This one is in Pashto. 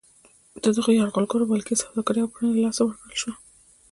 د دغو یرغلګرو ولکې سوداګري او کرنه له لاسه ورکړل شوه.